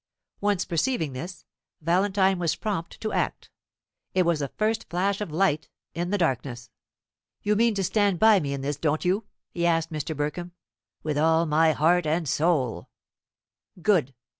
Once perceiving this, Valentine was prompt to act. It was the first flash of light in the darkness. "You mean to stand by me in this, don't you?" he asked Mr. Burkham. "With all my heart and soul." "Good.